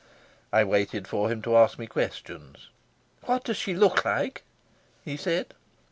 I waited for him to ask me questions. "What does she look like?" he said.